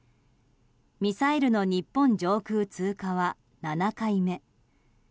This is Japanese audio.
ミサイルの日本上空通過は７回目。